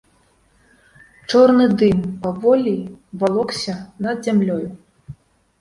Чорны дым паволі валокся над зямлёю.